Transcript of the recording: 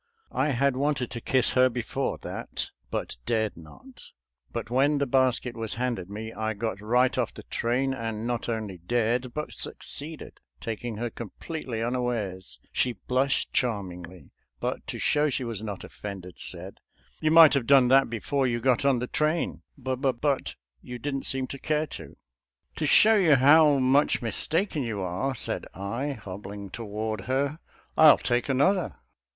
I had wanted to kiss her before that, but dared not. But when the basket was handed me, I got right off the train and not only dared, but succeeded, taking her completely unawares. She blushed charmingly, but to show she was not offended, said, " You might have done that before you got on the train, bu — ^bu — but you didn't seem to care to." 282 SOLDIER'S LETTERS TO CHARMING NELLIE " To show you how much mistaken you are," said I, hobbling toward her, "I'll take another."